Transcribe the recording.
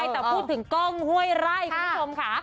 แต่พูดถึงกล้องห้วยไร่คุณผู้ชมค่ะ